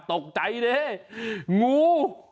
ตกใจนี่งู